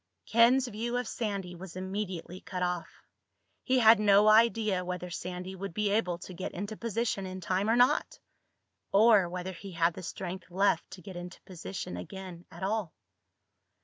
Ken's view of Sandy was immediately cut off. He had no idea whether Sandy would be able to get into position in time or not—or whether he had the strength left to get into position again at all.